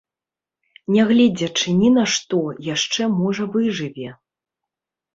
Не гледзячы ні на што, яшчэ можа выжыве.